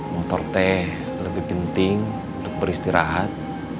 motor teh lebih penting untuk beristirahat